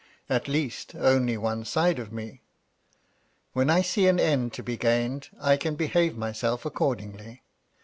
At least, only one side of me. When I see an end to be gained, I can behave myself accordingly.